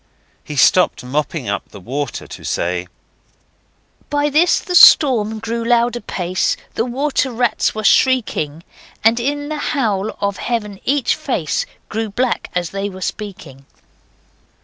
He stopped mopping up the water to say: 'By this the storm grew loud apace, The water rats were shrieking, And in the howl of Heaven each face Grew black as they were speaking.